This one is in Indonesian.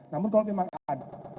namun kalau memang ada